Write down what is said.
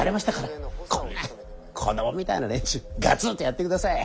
こんな子供みたいな連中ガツンとやってください。